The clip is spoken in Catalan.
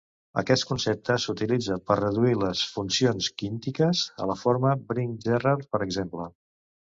Aquest concepte s'utilitza per reduir les funcions quíntiques a la forma Bring-Jerrard, per exemple.